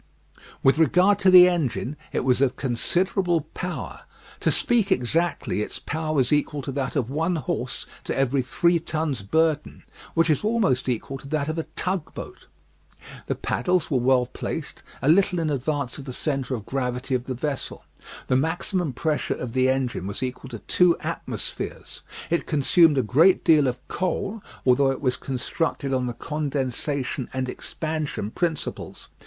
With regard to the engine, it was of considerable power. To speak exactly, its power was equal to that of one horse to every three tons burden, which is almost equal to that of a tugboat. The paddles were well placed, a little in advance of the centre of gravity of the vessel. The maximum pressure of the engine was equal to two atmospheres. It consumed a great deal of coal, although it was constructed on the condensation and expansion principles.